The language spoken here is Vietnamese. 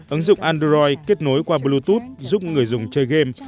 ứng dụng android kết nối qua bluetooth giúp người dùng chơi game